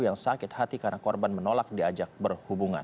yang sakit hati karena korban menolak diajak berhubungan